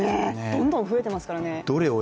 どんどん増えていますからね。